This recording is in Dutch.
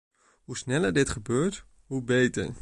Hoe sneller dit gebeurt, hoe beter.